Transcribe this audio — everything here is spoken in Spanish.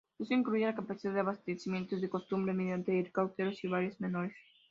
Esto incluye la capacidad de abastecimiento de combustible mediante helicópteros y varias menores.